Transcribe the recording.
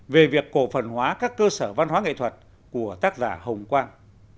về việc cổ phần hóa các cơ sở văn hóa nghệ thuật của tác giả hồng quang